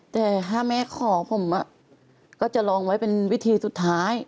แต่ถ้าแม่ขอผมก็จะลองไว้เป็นวิธีสุดท้าย